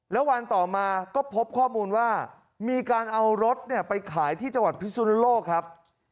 แล้ววันต่อมาก็พบข้อมูลว่ามีการเอารถไปขายที่จังหวัดพิสุนโลกครับ